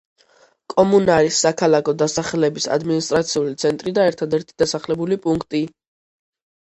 კომუნარის საქალაქო დასახლების ადმინისტრაციული ცენტრი და ერთადერთი დასახლებული პუნქტი.